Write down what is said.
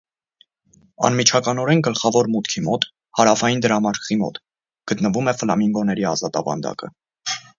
Անմիջականորեն գլխավոր մուտքի մոտ (հարավային դրամարկղի մոտ) գտնվում է ֆլամինգոների ազատավանդակը։